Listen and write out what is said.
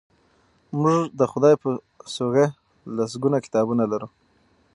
موږ د خدای په سوژه لسګونه کتابونه لرو.